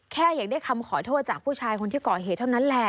แค่อยากได้คำขอโทษจากผู้ชายคนที่ก่อเหตุเท่านั้นแหละ